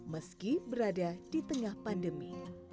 meski berada di tengah pandemi